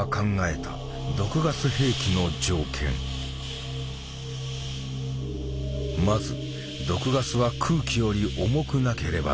まず毒ガスは空気より重くなければならない。